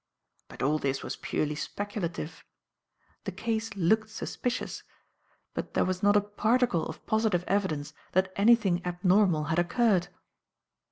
But all this was purely speculative. The case looked suspicious; but there was not a particle of positive evidence that anything abnormal had occurred.